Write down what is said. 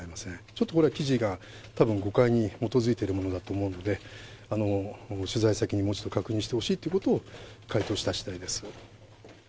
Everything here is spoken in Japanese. ちょっとこれ、記事がたぶん誤解に基づいているものだと思うので、取材先にもう一度確認してほしいということを回答したしだいです。